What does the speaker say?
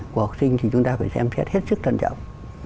của học sinh thì chúng ta phải xem xét hết sức cẩn trọng